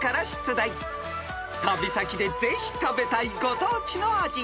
［旅先でぜひ食べたいご当地の味］